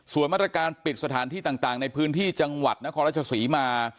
ส่วนมาตรการปิดสถานที่ต่างในพื้นที่จังหวัดนครราชศรีมา